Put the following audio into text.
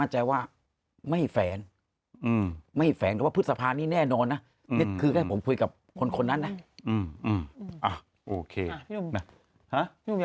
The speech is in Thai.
แต่เราเป็นคนกับผี